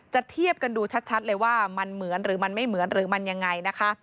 เทียบกันดูชัดเลยว่ามันเหมือนหรือมันไม่เหมือนหรือมันยังไงนะคะ